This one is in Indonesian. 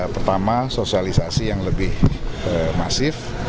pertama sosialisasi yang lebih masif